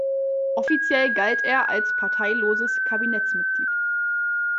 Offiziell galt er als parteiloses Kabinettsmitglied.